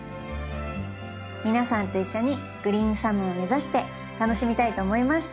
皆さんと一緒にグリーンサムを目指して楽しみたいと思います。